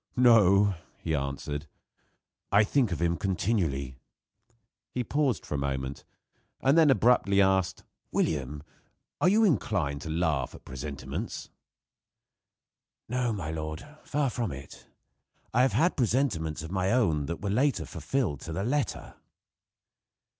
"No," he answered, "I think of him continually." He paused a moment, and then abruptly asked: "William, are you inclined to laugh at presentiments?" "No, my lord, far from it. I have had presentiments of my own that were later fulfilled to the letter."